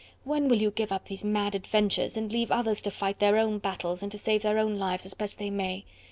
When will you give up these mad adventures, and leave others to fight their own battles and to save their own lives as best they may?"